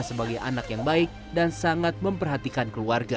sebagai anak yang baik dan sangat memperhatikan keluarga